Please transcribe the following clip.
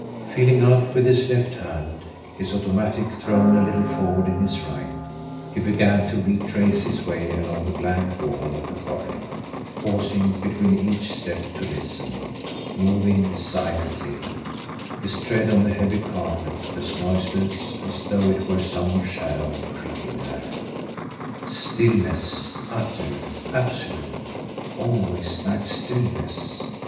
Feeling out with his left hand, his automatic thrown a little forward in his right, he began to retrace his way along the blank wall of the corridor, pausing between each step to listen, moving silently, his tread on the heavy carpet as noiseless as though it were some shadow creeping there. Stillness utter, absolute! Always that stillness.